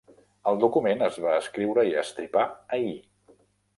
El document es va escriure i estripar ahir.